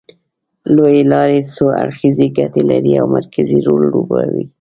لوېې لارې څو اړخیزې ګټې لري او مرکزي رول لوبوي